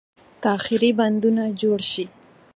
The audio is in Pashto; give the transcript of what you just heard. تاخیري بندونه جوړ شي.